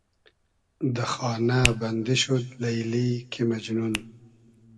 دۂ خانۂ بئندی شود لݷلی کی مئجنون